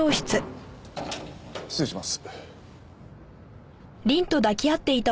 失礼します。